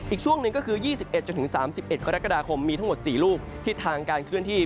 อีกช่วงหนึ่งก็คือ๒๑๓๑กรกฎาคมมีทั้งหมด๔ลูกทิศทางการเคลื่อนที่